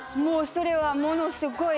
それはものすごい